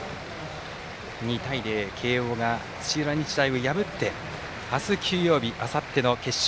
２対０、慶応が土浦日大を破って明日、休養日、あさっての決勝